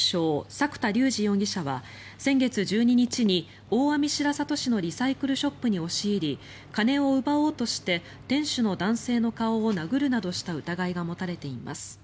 作田竜二容疑者は先月１２日に大網白里市のリサイクルショップに押し入り金を奪おうとして店主の男性の顔を殴るなどした疑いが持たれています。